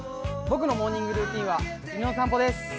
僕のモーニングルーティンは犬の散歩です。